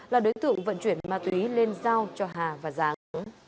là đối tượng vận chuyển ma túy lên giao cho hà và giáng